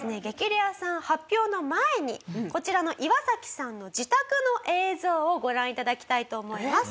レアさん発表の前にこちらのイワサキさんの自宅の映像をご覧頂きたいと思います。